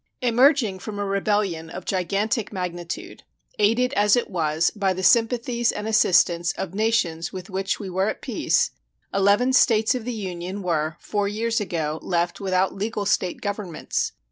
Emerging from a rebellion of gigantic magnitude, aided, as it was, by the sympathies and assistance of nations with which we were at peace, eleven States of the Union were, four years ago, left without legal State governments.